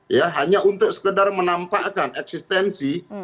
ya hanya untuk sekedar menampakkan eksistensi